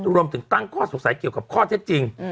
รวมถึงตั้งข้อสงสัยเกี่ยวกับข้อเท็จจริง